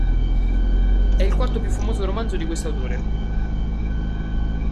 È il quarto e il più famoso romanzo di questo autore.